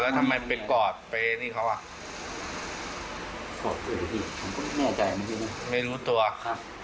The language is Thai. ครับเมามาก